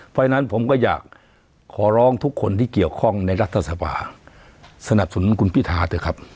เพราะฉะนั้นผมก็อยากขอร้องทุกคนที่เกี่ยวข้องในรัฐสภาสนับสนุนคุณพิธาเถอะครับ